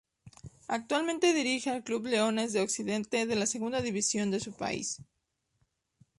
Actualmente dirige al club Leones de Occidente de la Segunda División de su país.